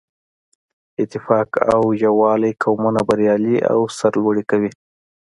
اتفاق او یووالی قومونه بریالي او سرلوړي کوي.